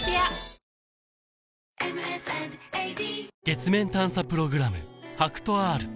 月面探査プログラム